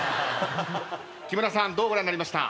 木村さんどうご覧になりました？